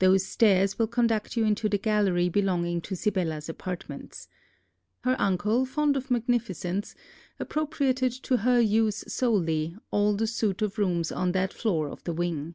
Those stairs will conduct you into the gallery belonging to Sibella's apartments. Her uncle, fond of magnificence, appropriated to her use solely all the suite of rooms on that floor of the wing.